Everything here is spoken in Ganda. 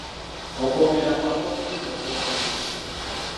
Okwogera kwangu okusinga okuwandiika.